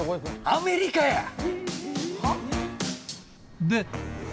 アメリカや。は？